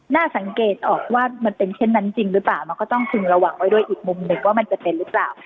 น่าสังเกตออกว่ามันเป็นเช่นนั้นจริงหรือเปล่ามันก็ต้องพึงระวังไว้ด้วยอีกมุมหนึ่งว่ามันจะเป็นหรือเปล่า